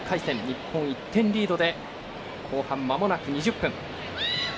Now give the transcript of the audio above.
日本、１点リードで後半、まもなく２０分。